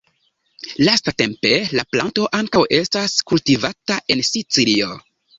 Lastatempe la planto ankaŭ estas kultivata en Sicilio.